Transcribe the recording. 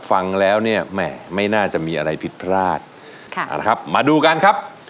ฟังแล้วเนี่ยแหมไม่น่าจะมีอะไรผิดพลาดมาดูกันครับ